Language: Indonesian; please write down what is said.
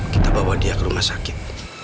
kita bawa dia ke rumah sakit